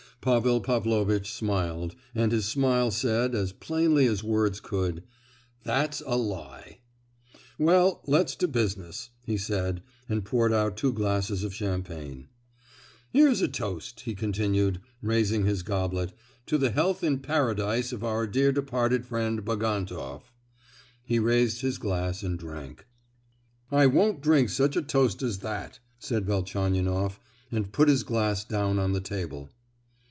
Pavel Pavlovitch smiled; and his smile said, as plainly as words could, "That's a lie!" "Well, let's to business," he said, and poured out two glasses of champagne. "Here's a toast," he continued, raising his goblet, "to the health in Paradise of our dear departed friend Bagantoff." He raised his glass and drank. "I won't drink such a toast as that!" said Velchaninoff; and put his glass down on the table.